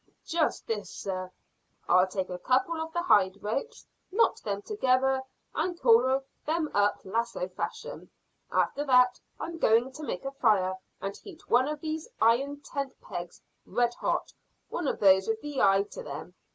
"Just this, sir. I'll take a couple of the hide ropes, knot them together, and coil them up lasso fashion. After that I'm going to make a fire and heat one of these iron tent pegs red hot one of those with the eye to them.